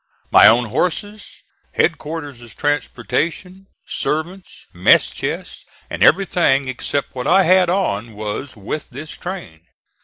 My own horses, headquarters' transportation, servants, mess chest, and everything except what I had on, was with this train.